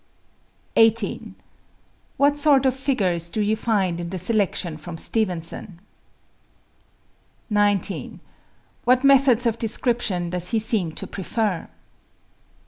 18. What sort of figures do you find in the selection from Stevenson, on page 242? 19. What methods of description does he seem to prefer?